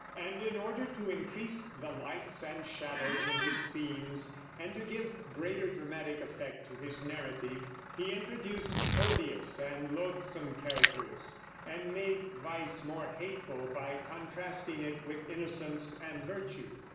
And in order to increase the lights and shadows in his scenes, and to give greater dramatic effect to his narrative, he introduced odious and lothsome characters, and made vice more hateful by contrasting it with innocence and virtue.